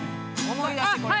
思い出してこれで。